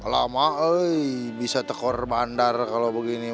lama eh bisa tekor bandar kalau begini